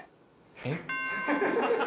えっ？